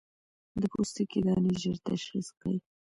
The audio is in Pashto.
د پوستکي دانې ژر تشخيص کړئ.